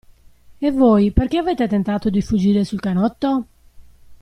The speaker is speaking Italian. E voi perché avete tentato di fuggire sul canotto?